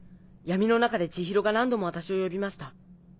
闇の中で千尋が何度も私を呼びました。